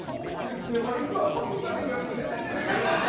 ぱって見ただけでも天才ですね。